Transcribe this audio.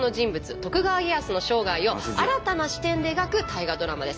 徳川家康の生涯を新たな視点で描く大河ドラマです。